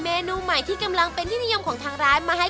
เมนูใหม่ที่กำลังเป็นที่นิยมของทางร้านมาให้